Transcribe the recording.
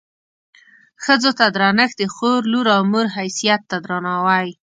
ښځو ته درنښت د خور، لور او مور حیثیت ته درناوی.